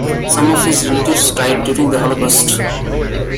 Some of his relatives died during the Holocaust.